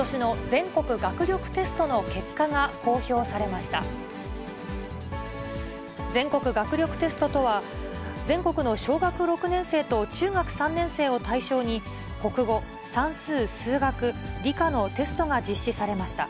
全国学力テストとは、全国の小学６年生と中学３年生を対象に、国語、算数・数学、理科のテストが実施されました。